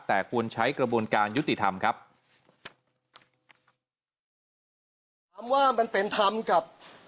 แต่ควรใช้กระบวนการยุติธรรมครับ